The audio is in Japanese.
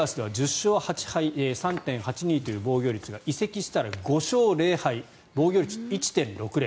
勝８敗３．８２という防御率が移籍したら５勝０敗防御率１．６０。